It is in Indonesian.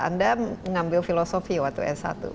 anda mengambil filosofi waktu s satu